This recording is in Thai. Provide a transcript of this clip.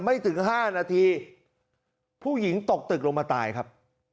ไม่ถึง๕นาทีผู้หญิงตกตึกลงมาตายครับ